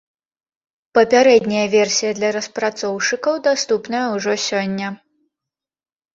Папярэдняя версія для распрацоўшчыкаў даступная ўжо сёння.